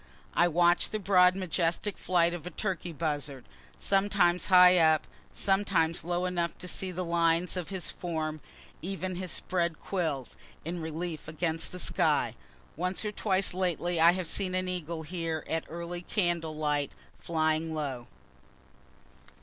I watch the broad majestic flight of a turkey buzzard, sometimes high up, sometimes low enough to see the lines of his form, even his spread quills, in relief against the sky. Once or twice lately I have seen an eagle here at early candle light flying low.